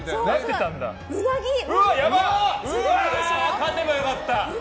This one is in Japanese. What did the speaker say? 勝てばよかった！